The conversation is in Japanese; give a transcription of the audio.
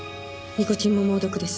ニコチンも猛毒です。